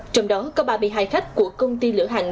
trong đó có ba mươi hai khách của công ty lửa hành